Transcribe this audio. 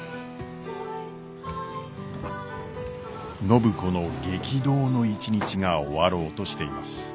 暢子の激動の一日が終わろうとしています。